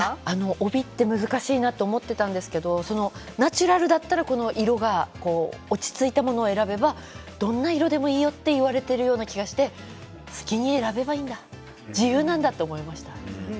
帯は難しいと思っていたんですが、ナチュラルだったら色が落ち着いたものを選べばどんな色でもいいよっていう気がして好きに選べばいいんだ自由なんだと思いました。